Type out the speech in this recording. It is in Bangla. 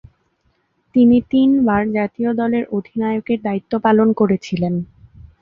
তিনি তিনবার জাতীয় দলের অধিনায়কের দায়িত্ব পালন করেছিলেন।